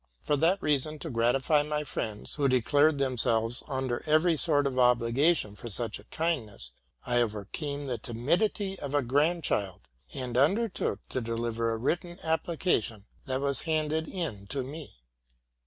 For that reason, to gratify my friends, who declared themselves under every sort of obligation for such a kina ness, | overcame the timidity of a grandchild, and under took to deliver a written application that was handed in to me.